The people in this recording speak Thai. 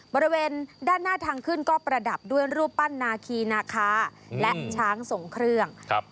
บริเวณด้านหน้าทางขึ้นก็ประดับด้วยรูปปั้นนาคีนาคาและช้างส่งเครื่อง